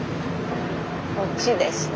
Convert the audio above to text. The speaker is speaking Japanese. こっちですね。